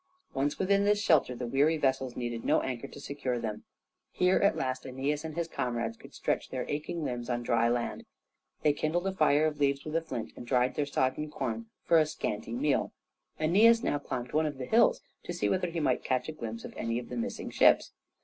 Once within this shelter the weary vessels needed no anchor to secure them. Here at last Æneas and his comrades could stretch their aching limbs on dry land. They kindled a fire of leaves with a flint, and dried their sodden corn for a scanty meal. Æneas now climbed one of the hills to see whether he might catch a glimpse of any of the missing ships.